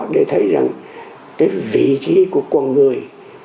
để thấy rằng cái vị trí của con người